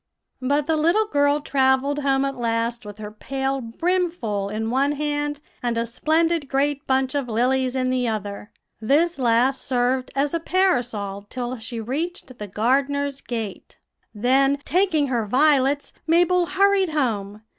"But the little girl travelled home at last with her pail brimful in one hand, and a splendid great bunch of lilies in the other. This last served as a parasol till she reached the gardener's gate. "Then, taking her violets, Mabel hurried home.